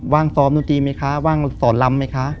ว่างซ้อมดนตรีไหมคะว่างสอนลำไหมคะ